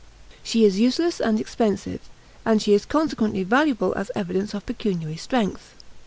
She is useless and expensive, and she is consequently valuable as evidence of pecuniary strength.